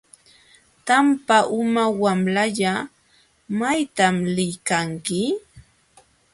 Tampa uma wamlalla ¿maytam liykanki?